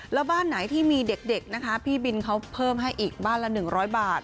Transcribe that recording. แล้วบ้านไหนที่มีเด็กนะคะพี่บินเขาเพิ่มให้อีกบ้านละ๑๐๐บาท